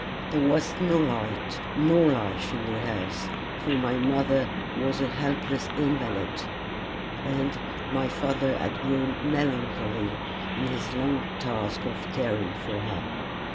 There was no light nor life in the house, for my mother was a helpless invalid, and my father had grown melancholy in his long task of caring for her.